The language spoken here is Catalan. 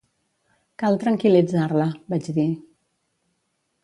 "Cal tranquil·litzar-la", vaig dir.